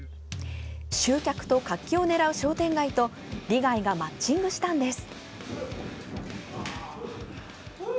集客と活気を狙う商店街と利害がマッチングしたんです。